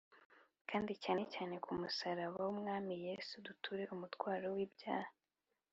Kandi cyane cyane ku musaraba w’Umwami Yesu, duture umutwaro w’ibyaha